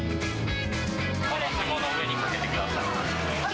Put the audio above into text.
ひもの上にかけてください。